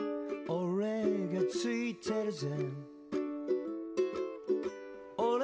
俺がついてるぜ